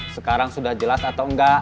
sekarang sudah jelas atau enggak